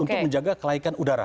untuk menjaga kelaikan udara